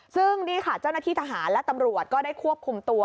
ซึ่งนี่ค่ะเจ้าหน้าที่ทหารและตำรวจก็ได้ควบคุมตัว